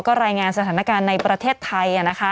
ก็รายงานสถานการณ์ในประเทศไทย